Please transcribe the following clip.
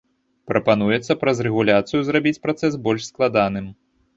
Прапануецца праз рэгуляцыю зрабіць працэс больш складаным.